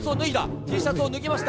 Ｔシャツを脱ぎました。